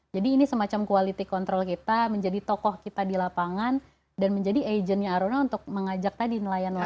jadi ini semacam quality control kita menjadi tokoh kita di lapangan dan menjadi agentnya aruna untuk mengajak tadi nelayan nelayan